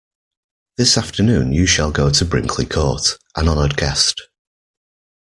This afternoon you shall go to Brinkley Court, an honoured guest.